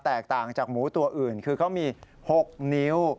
แตกต่างจากหมูตัวอื่นคือเขามี๖นิ้ว